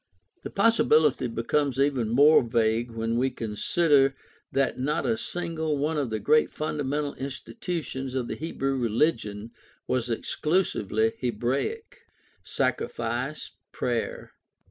The possibility becomes even more vague when we consider that not a single one of the great fundamental institutions of the Hebrew religion was exclusively Hebraic. Sacrifice, prayer.